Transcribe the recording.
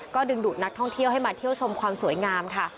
ก็ดึงดูดนักท่องเที่ยวให้มาเที่ยวชมความสวยงามค่ะ